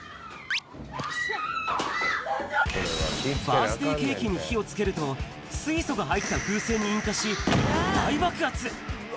バースデーケーキに火をつけると、水素が入った風船に引火し、大爆発。